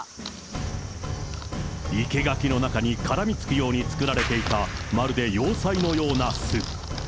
生け垣の中に絡みつくように作られていた、まるで要塞のような巣。